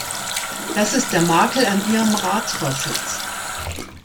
Das ist der Makel an Ihrem Ratsvorsitz.